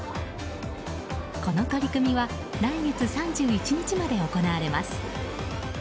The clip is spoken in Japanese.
この取り組みは来月３１日まで行われます。